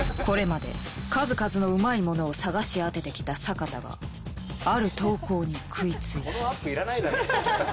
これまで数々のうまいものを探し当ててきた坂田がある投稿に食いついた。